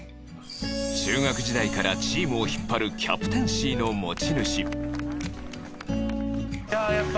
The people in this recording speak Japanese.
中学時代からチームを引っ張るキャプテンシーの持ち主やっぱ。